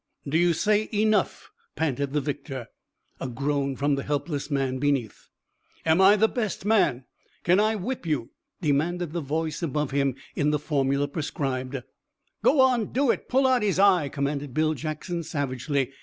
"Do you say enough?" panted the victor. A groan from the helpless man beneath. "Am I the best man? Can I whip you?" demanded the voice above him, in the formula prescribed. "Go on do it! Pull out his eye!" commanded Bill Jackson savagely.